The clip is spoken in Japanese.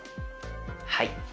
はい。